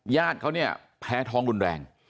ญาติเขาเนี่ยแพ้ท้องรุนแรง